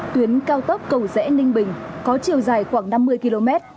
tuyến cao tốc cầu rẽ ninh bình có chiều dài khoảng năm mươi km